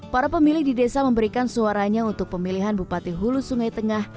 para pemilih di desa memberikan suaranya untuk pemilihan bupati hulu sungai tengah